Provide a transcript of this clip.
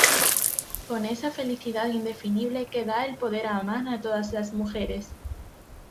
con esa felicidad indefinible que da el poder amar a todas las mujeres.